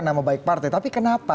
nama baik partai tapi kenapa